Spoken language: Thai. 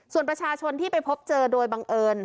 ส่วนประชาชนที่ไปพบเจอโดยบังเอิญ